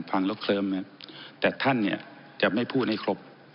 ฟังแล้วเคลิมเนี่ยแต่ท่านเนี่ยจะไม่พูดในครบ